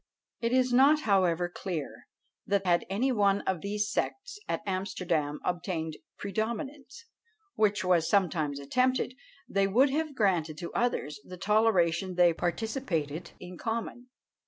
It is not, however, clear that had any one of these sects at Amsterdam obtained predominance, which was sometimes attempted, they would have granted to others the toleration they participated in common.